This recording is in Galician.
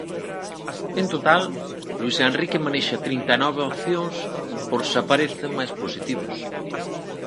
En total Luís Enrique manexa trinta e nove opcións por se aparecen máis positivos.